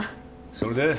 それで？